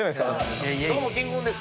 どうもキングコングです。